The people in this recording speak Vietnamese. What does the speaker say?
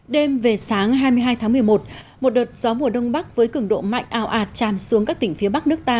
đêm về sáng hai mươi hai tháng một mươi một một đợt gió mùa đông bắc với cứng độ mạnh ảo ạt tràn xuống các tỉnh phía bắc nước ta